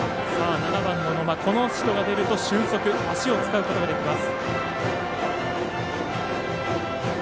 ７番の野間、この人が出ると俊足、足を使うことができます。